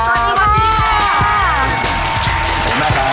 สวัสดีค่ะ